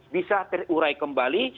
bisa terurai kembali